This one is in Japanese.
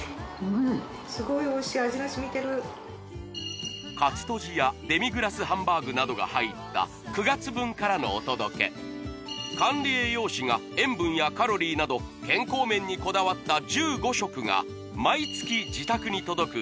うんかつとじやデミグラスハンバーグなどが入った９月分からのお届け管理栄養士が塩分やカロリーなど健康面にこだわった１５食が毎月自宅に届く